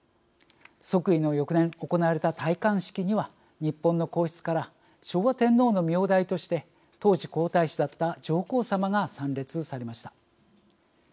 即位の翌年行われた戴冠式には日本の皇室から昭和天皇の名代として当時、皇太子だった上皇さまが参列されました。